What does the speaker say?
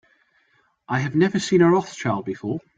I have never seen a Rothschild before.